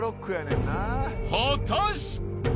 ［果たして！？］